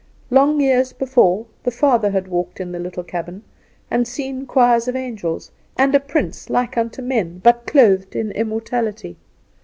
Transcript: Long years before the father had walked in the little cabin, and seen choirs of angels, and a prince like unto men, but clothed in immortality.